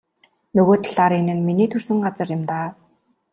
Нөгөө талаар энэ нь миний төрсөн газар юм даа.